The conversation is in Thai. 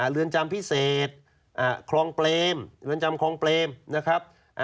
เรือนจำพิเศษคลองเปรมเรือนจำคลองเปรมนะครับ